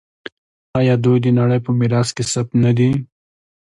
آیا دوی د نړۍ په میراث کې ثبت نه دي؟